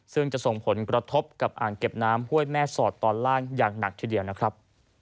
ซึ่งจะส่งผลกระทบกับอ่างเก็บน้ำห้วยแม่สอดตอนล่างอย่างหนักทีเดียวนะครับ